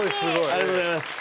ありがとうございます。